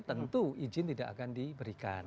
tentu izin tidak akan diberikan